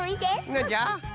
なんじゃ？